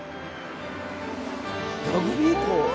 ラグビー校？